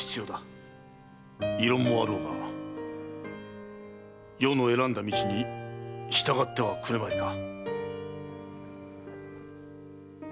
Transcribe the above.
異論もあろうが余の選んだ道に従ってはくれまいか。